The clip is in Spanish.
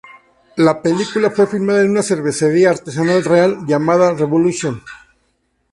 La película fue filmada en una cervecería artesanal real, llamada Revolution.